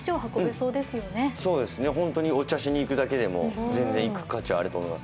そうですね、ホントにお茶しに行くだけでも全然行く価値あると思います。